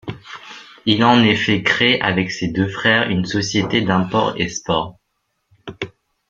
Il y a en effet créé, avec ses deux frères, une société d'import-export.